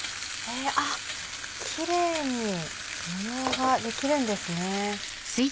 あっキレイに模様ができるんですね。